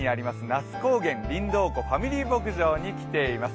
那須高原りんどう湖ファミリー牧場に来ています。